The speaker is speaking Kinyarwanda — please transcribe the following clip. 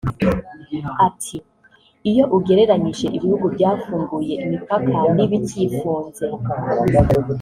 Ati “Iyo ugereranyije ibihugu byafunguye imipaka n’ibikiyifunze